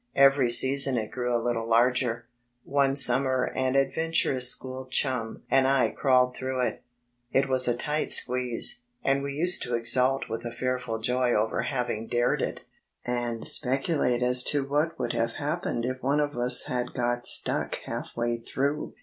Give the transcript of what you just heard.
Every season it grew a litde larger. One summer an adventurous school chum and I crawled through it. It was a ught squeeze, and we used to exult with a fearful joy over having dared it, and speculate as to what would have happened if one of us had got stuck half way through!